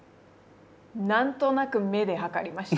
何となく目で測りました。